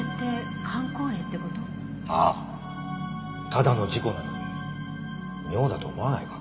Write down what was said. ただの事故なのに妙だと思わないか？